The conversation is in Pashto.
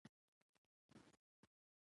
زابل د افغانستان د کلتور يوه مهمه برخه ده.